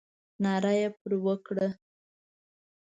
ناره یې پر وکړه.